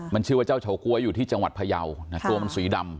มันชื่อว่าเจ้าเฉก๊วยอยู่ที่จังหวัดพยาวตัวมันสีดำ